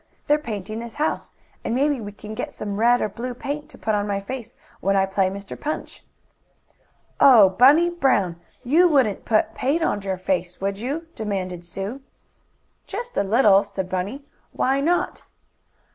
They're painting this house, and maybe we can get some red or blue paint, to put on my face, when I play Mr. Punch." "Oh, Bunny Brown! You wouldn't put paint on your face; would you?" demanded Sue. "Just a little," said Bunny. "Why not?"